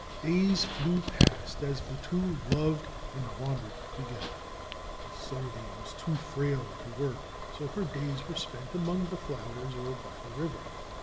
Days flew past as the two loved and wandered together. Isolde was too frail to work, so her days were spent among the flowers or by the river.